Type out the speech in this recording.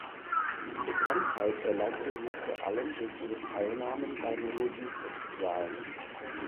Bekanntheit erlangte sie vor allem durch ihre Teilnahmen beim Melodifestivalen.